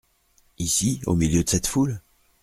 Ici au milieu de cette foule ?